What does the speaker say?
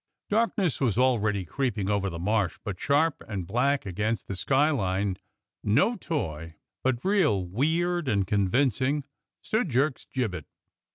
Dark ness was already creeping over the Marsh, but sharp and black against the skyline — no toy, but real, weird, and convincing — stood Jerk's gibbet.